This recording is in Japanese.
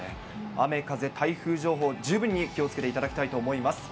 雨、風、台風情報、十分に気をつけていただきたいと思います。